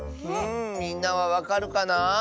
みんなはわかるかな？